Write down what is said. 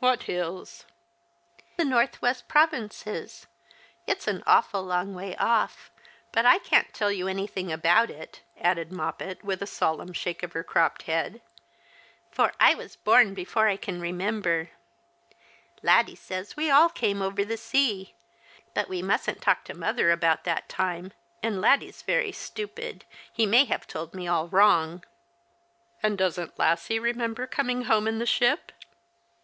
"What hills?" " The north west provinces. It's an awful long way off — but I can't tell you anything about it," added Moppet, with a solemn shake of her cropped head, " for I was born before I can remember. Laddie says we all came over the sea — but we mustn't talk to mother about that time, and Laddie's very stuj)id — he may have told me all wrong." "And doesn't Lassie remember coming home in the ship?"